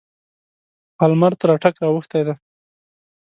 پالمر تر اټک را اوښتی دی.